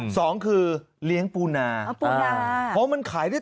สองคือเลี้ยงปูนา